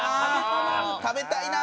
食べたいな！